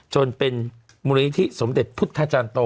จนเป็นมุเลนิริธิสมเด็จพุทธจันโต